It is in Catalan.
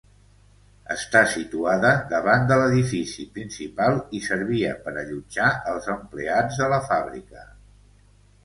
Està situada davant de l'edifici principal i servia per allotjar als empleats de la fàbrica.